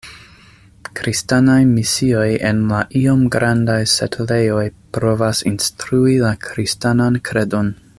Kristanaj misioj en la iom grandaj setlejoj provas instrui la kristanan kredon.